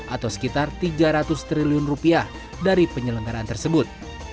atau sekitar tiga ratus triliun rupiah dari penyelenggaraan tersebut